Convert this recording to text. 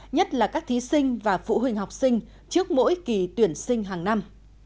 nhất là các thí sinh và phụ huynh học sinh trước mỗi kỳ tuyển sinh hàng năm